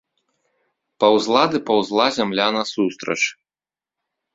Паўзла ды паўзла зямля насустрач.